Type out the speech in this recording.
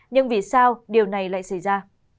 nhưng vì sao điều này lại xảy ra